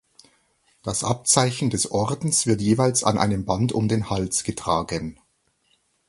Das Abzeichen des Ordens wird jeweils an einem Band um den Hals getragen.